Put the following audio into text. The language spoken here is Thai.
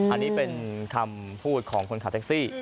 อันนี้เป็นคำพูดของคนขับแท็กซี่